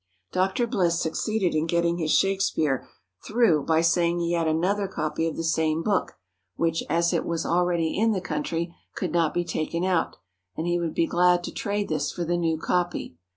'' Dr. Bliss succeeded in getting his Shake speare through by saying he had another copy of the same book, which, as it was already in the country, could not be taken out, and he would be glad to trade this for the new copy.